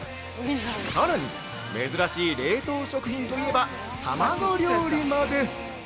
さらに珍しい冷凍食品といえば、卵料理まで。